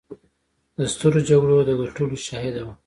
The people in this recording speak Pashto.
د سترو جګړو د ګټلو شاهده وه.